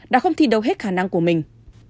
đã không thi đấu hết khả năng của mình